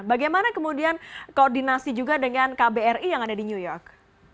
bagaimana kemudian koordinasi juga dengan kbri yang ada di new york